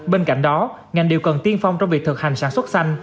bên cạnh đó ngành điều cần tiên phong trong việc thực hành sản xuất xanh